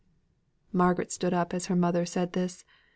Margaret started up as her mother said this.